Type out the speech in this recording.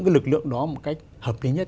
cái lực lượng đó một cách hợp kế nhất